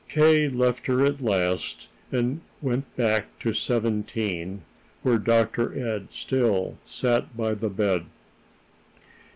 K. left her at last and went back to Seventeen, where Dr. Ed still sat by the bed.